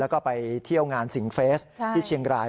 แล้วก็ไปเที่ยวงานสิงเฟสที่เชียงราย